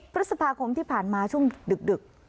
พฤษภาคมที่ผ่านมาช่วงดึก